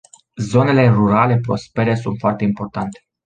Zonele rurale prospere sunt foarte importante.